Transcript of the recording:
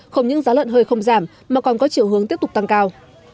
không những giá lợn hơi không giảm mà còn có chiều hướng tiếp tục tăng cao